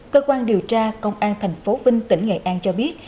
cơ quan điều tra công an thành phố vinh tỉnh nghệ an cho biết